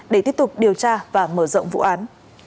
để tiếp tục điều tra và mở rộng vụ án